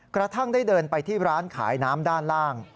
กระทั่งได้เดินไปที่ร้านขายน้ำด้านล่าง